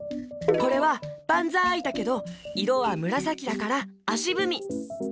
これは「ばんざい」だけどいろはむらさきだからあしぶみ。